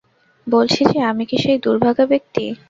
বলছি যে, আমি কি সেই দুর্ভাগা ব্যাক্তি!